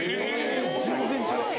全然違う！